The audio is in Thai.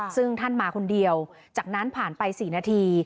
ซึ่งท่านมาคนเดียวจากนั้นผ่านไป๔นาที